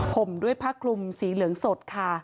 ผมด้วยพระกลุ่มสีเหลืองสดค่ะ